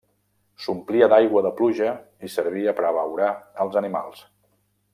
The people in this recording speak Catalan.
S'omplia d'aigua de pluja i servia per abeurar els animals.